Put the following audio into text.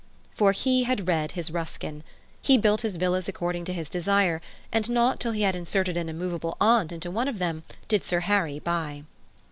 For he had read his Ruskin. He built his villas according to his desire; and not until he had inserted an immovable aunt into one of them did Sir Harry buy.